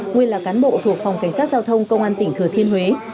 nguyên là cán bộ thuộc phòng cảnh sát giao thông công an tỉnh thừa thiên huế